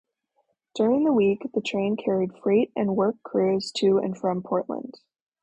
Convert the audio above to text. During the week, the train carried freight and work crews to and from Portland.